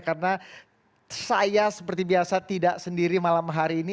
karena saya seperti biasa tidak sendiri malam hari ini